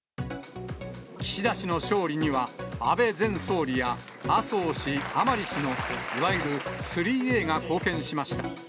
岸田氏の勝利には、安倍前総理や麻生氏、甘利氏の、いわゆる３Ａが貢献しました。